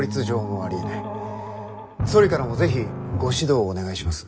総理からも是非ご指導をお願いします。